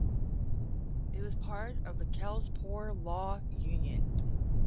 It was part of the Kells Poor Law Union.